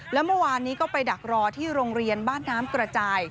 แล้วเมื่อวานนี้ก็ไปดักรอที่โรงเรียนบ้านน้ำกระจาย